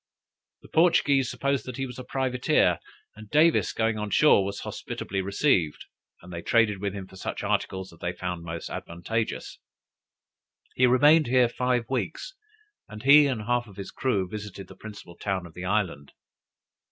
The Portuguese supposed that he was a privateer, and Davis going on shore was hospitably received, and they traded with him for such articles as they found most advantageous. He remained here five weeks, and he and half of his crew visited the principal town of the island.